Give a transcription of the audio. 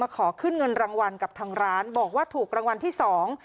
ขอขึ้นเงินรางวัลกับทางร้านบอกว่าถูกรางวัลที่สอง